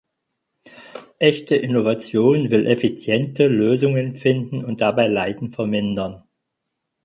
Echte Innovation will effiziente Lösungen finden und dabei Leiden vermindern.